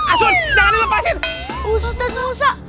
aduh orang lagi sendiri